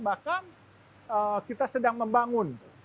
bahkan kita sedang membangun